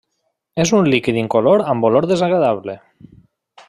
És un líquid incolor amb olor desagradable.